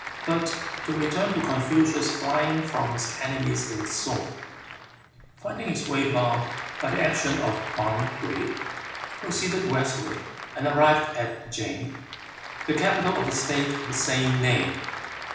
But to return to Confucius flying from his enemies in Sung. Finding his way barred by the action of Hwan T'uy, he proceeded westward and arrived at Ch'ing, the capital of the state of the same name.